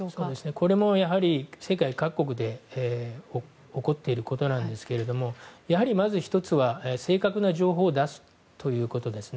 これも世界各国で起こっていることなんですがやはりまず１つは正確な情報を出すということですね。